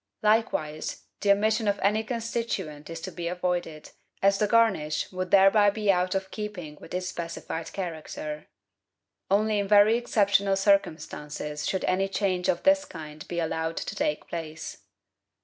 Like wise, the omission of any constituent is to be avoided, as the garnish would thereby be out of keeping with its specified character. Only in very exceptional circumstances should any change of this kind be allowed to take place.